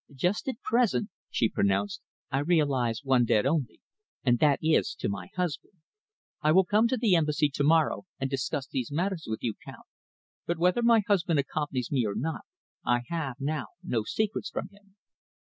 "Just at present," she pronounced, "I realise one debt only, and that is to my husband. I will come to the Embassy to morrow and discuss these matters with you, Count, but whether my husband accompanies me or not, I have now no secrets from him."